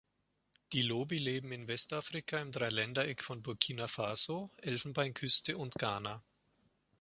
Die Lobi leben in Westafrika im Dreiländereck von Burkina Faso, Elfenbeinküste und Ghana.